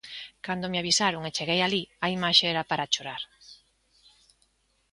Cando me avisaron e cheguei alí a imaxe era para chorar.